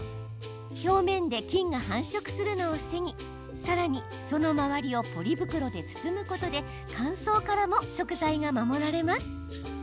表面で菌が繁殖するのを防ぎさらに、その周りをポリ袋で包むことで乾燥からも食材が守られます。